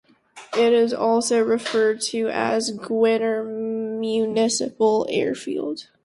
It is also referred to as Gwinner Municipal Airfield.